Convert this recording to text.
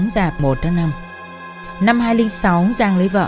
giang lấy vợ